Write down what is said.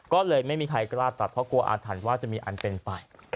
ก็เลยไม่มีใครกล้าตัดเพราะกลัวอาถรรพ์ว่าจะมีอันเป็นไป